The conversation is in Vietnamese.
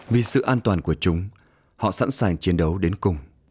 vì sự an toàn của chúng họ sẵn sàng chiến đấu đến cùng